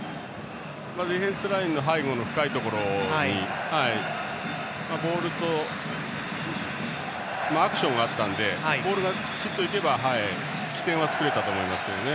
ディフェンスラインの背後の深いところにボールとアクションがあったんでボールが、きちっといけば起点は作れたと思いますけどね。